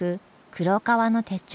黒革の手帳。